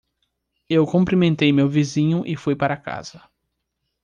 Eu cumprimentei meu vizinho e fui para casa.